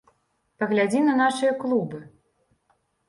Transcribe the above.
Паглядзі на нашы клубы.